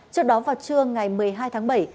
trước đó vào trưa ngày một mươi hai tháng bảy